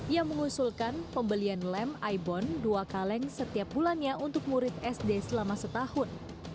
yang mengusulkan pembelian lem ibon dua kaleng setiap bulannya untuk murid sd selama setahun